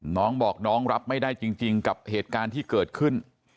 น้องบอกน้องรับไม่ได้จริงกับเหตุการณ์ที่เกิดขึ้น